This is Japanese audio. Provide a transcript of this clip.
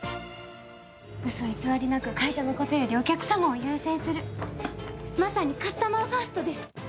うそ偽りなく会社のことよりお客様を優先するまさにカスタマーファーストです！